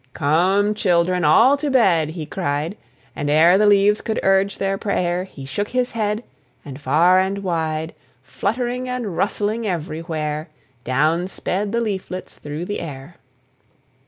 "Come, children, all to bed," he cried; And ere the leaves could urge their prayer, He shook his head, and far and wide, Fluttering and rustling everywhere, Down sped the leaflets through the air.